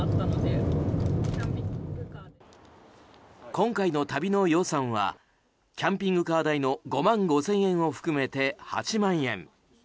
今回の旅の予算はキャンピングカー代の５万５０００円を含めて８万円。